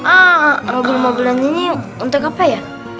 ah mobil mobilan ini untuk apa ya